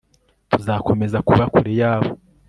tuzakomeza kuba kure yabo